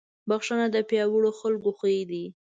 بښنه د پیاوړو خلکو خوی دی.